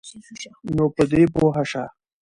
نو په دی پوهه شه